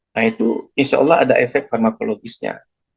nah itu insya allah ada efek farmakologisnya